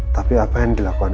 tapi apa yang dilakukan